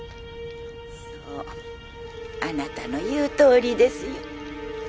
そうあなたの言うとおりですよ